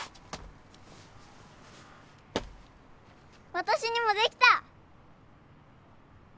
私にもできた！